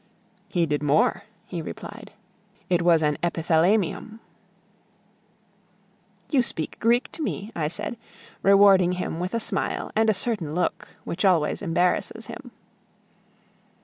"He did more," he replied. "It was an epithalamium." "You speak Greek to me," I said, rewarding him with a smile and a certain look which always embarrasses him.